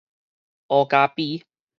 烏咖啡